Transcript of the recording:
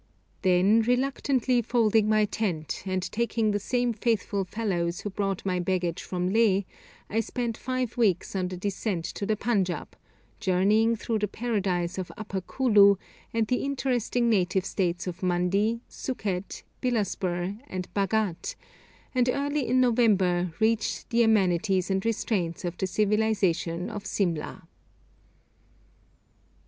Then, reluctantly folding my tent, and taking the same faithful fellows who brought my baggage from Leh, I spent five weeks on the descent to the Panjāb, journeying through the paradise of Upper Kulu and the interesting native states of Mandi, Sukket, Bilaspur, and Bhaghat; and early in November reached the amenities and restraints of the civilisation of Simla.